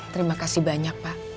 terima kasih banyak pak